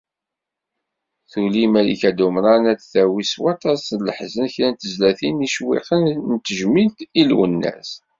Tuli Malika Dumran ad d-tawi s waṭas n leḥzen kra n tezlatin d yicewwiqen n tejmilt i Lwennas.